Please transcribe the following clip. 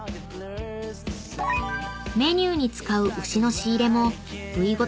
［メニューに使う牛の仕入れも部位ごとではなく一頭買い］